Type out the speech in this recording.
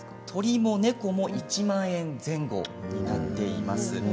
鳥も猫も１万円前後となっています。